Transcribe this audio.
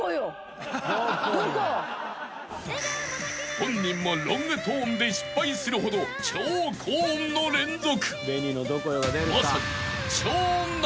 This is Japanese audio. ［本人もロングトーンで失敗するほど超高音の連続］